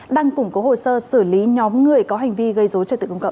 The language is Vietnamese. đang củng cố hồ sơ xử lý nhóm người có hành vi gây dối trật tự công cộng